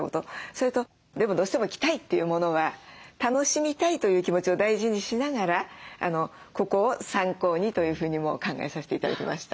それとでもどうしても着たいというものは楽しみたいという気持ちを大事にしながらここを参考にというふうにも考えさせて頂きました。